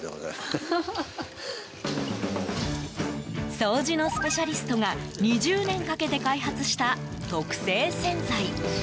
掃除のスペシャリストが２０年かけて開発した特製洗剤。